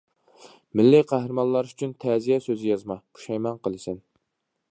مىللىي قەھرىمانلار ئۈچۈن تەزىيە سۆزى يازما، پۇشايمان قىلىسەن.